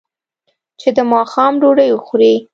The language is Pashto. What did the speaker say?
چې د ماښام ډوډۍ وخوري.